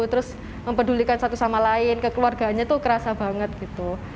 terus mempedulikan satu sama lain kekeluargaannya tuh kerasa banget gitu